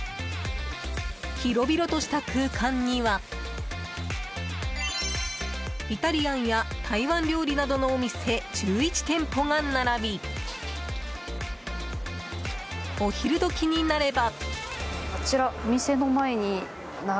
広々とした空間にはイタリアンや台湾料理などのお店１１店舗が並びお昼時になれば。